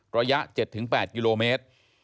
ระยะ๗๘กิโลเมตร